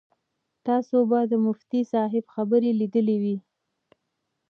تاسو به د مفتي صاحب خبرې لیدلې وي.